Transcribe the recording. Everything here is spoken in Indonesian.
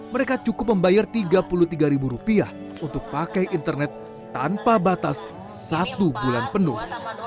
mereka cukup membayar rp tiga puluh tiga untuk pakai internet tanpa batas satu bulan penuh